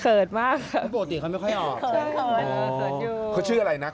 เขิดมากค่ะคุณโปรติเขาไม่ค่อยออกเขิดอยู่เขาชื่ออะไรนะ